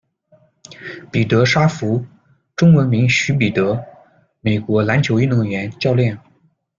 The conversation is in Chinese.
比德·沙弗，中文名许彼德，美国篮球运动员、教练。